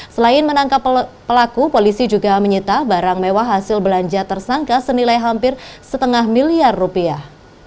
selain menangkap pelaku polisi juga menyita barang mewah hasil belanja tersangka senilai hampir setengah miliar rupiah